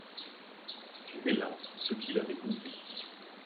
C’était là ce qu’il avait compris.